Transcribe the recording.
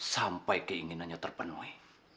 sampai keinginannya terpenuhi